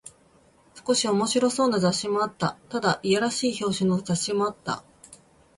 少し面白そうな雑誌もあった。ただ、いやらしい表紙の雑誌もあった。